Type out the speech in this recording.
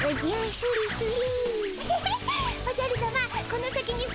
スリスリ。